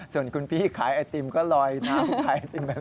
ส่วนคุณพี่หายไอติ็มก็ร้อยน้ำ